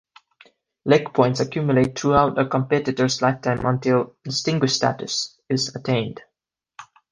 Leg points accumulate throughout a competitor's lifetime until "distinguished status" is attained.